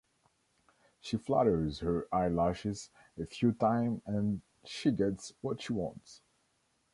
She flutters her eyelashes a few time and she gets what she wants.